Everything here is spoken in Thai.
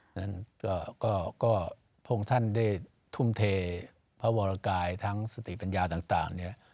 เพราะฉะนั้นพวกท่านได้ทุ่มเทพระวรกายทั้งสติปัญญาต่างเนี่ย